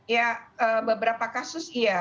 ya beberapa kasus iya